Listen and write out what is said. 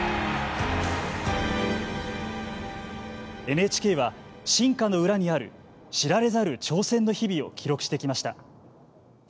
ＮＨＫは進化の裏にある知られざる挑戦の日々を記録してきました。